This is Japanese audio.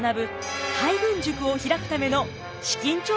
海軍塾を開くための資金調達でした。